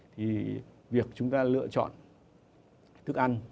thì việc chúng ta lựa chọn thức ăn